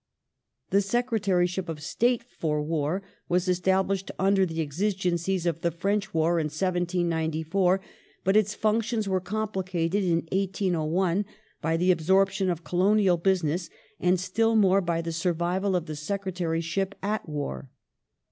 ^ The Secretaryship of State for War was established under the exigencies of the French War in 1794, but its functions were complicated in 1801 by the absorption of Colonial business, and still more by the survival of the Secretary ship at War.